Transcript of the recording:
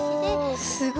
おすごい。